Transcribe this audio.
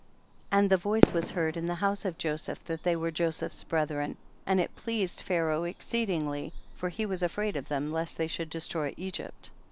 73. And the voice was heard in the house of Joseph that they were Joseph's brethren, and it pleased Pharaoh exceedingly, for he was afraid of them lest they should de stroy Egypt.